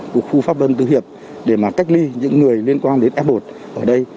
của khu pháp vân tư hiệp để mà cách ly những người liên quan đến f một ở đây